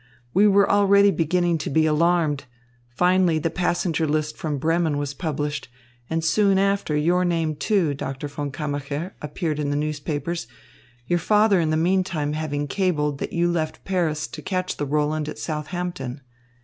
"We were already beginning to be alarmed. Finally the passenger list from Bremen was published, and soon after your name, too, Doctor von Kammacher, appeared in the newspapers, your father in the meantime having cabled that you left Paris to catch the Roland at Southampton.